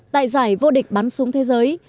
tại giải vô địch bắn súng thế giới